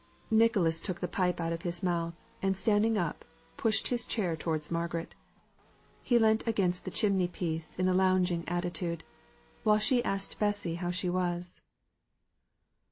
Nicholas took the pipe out of his mouth, and standing up, pushed his chair towards Margaret; he leant against the chimney piece in a lounging attitude, while she asked Bessy how she was.